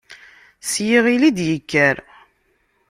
S yiɣil i d-yekker.